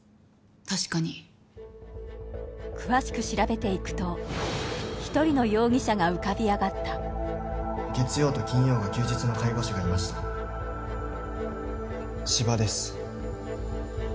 確かに詳しく調べていくと一人の容疑者が浮かび上がった月曜と金曜が休日の介護士がいました斯波です